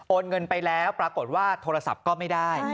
เงินไปแล้วปรากฏว่าโทรศัพท์ก็ไม่ได้